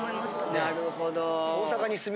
なるほど。